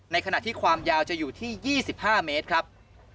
ขณะที่ความยาวจะอยู่ที่๒๕เมตรครับ